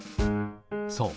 そう。